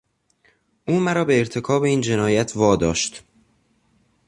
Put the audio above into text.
او مرا به ارتکاب این جنایت واداشت.